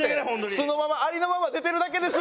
素のままありのまま出てるだけです。